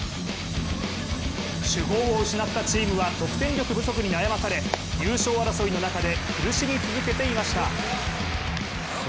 主砲を失ったチームは得点力不足に悩まされ、優勝争いの中で、苦しみ続けていました。